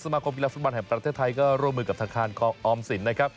มาคมกีฬาฟุตบอลแห่งประเทศไทยก็ร่วมมือกับธนาคารออมสินนะครับ